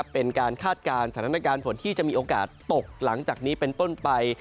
เป็นการคาดการณ์สถานการณ์ฝนที่จะมีโอกาสตกหลังจากนี้เป็นต้นไป